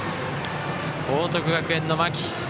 報徳学園の間木。